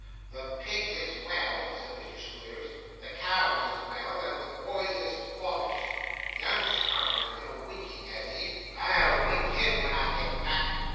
'The pigs is well,' said Mr. Squeers, 'the cows is well, and the boys is bobbish. Young Sprouter has been a winking, has he? I'll wink him when I get back.